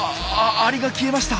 アリが消えました。